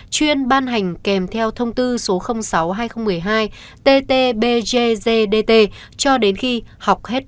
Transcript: chuyên ban hành kèm theo thông tư sáu hai nghìn một mươi hai ttbgzdt cho đến khi học hết lớp một mươi hai